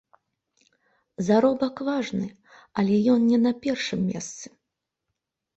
Заробак важны, але ён не на першым месцы.